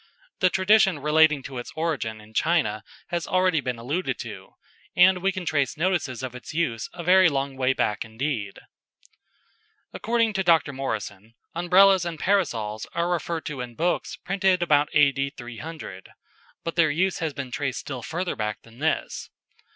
The tradition relating to its origin in China has been already alluded to, and we can trace notices of its use a very long way back indeed. According to Dr. Morrison, Umbrellas and Parasols are referred to in books printed about A.D. 300, but their use has been traced still further back than this.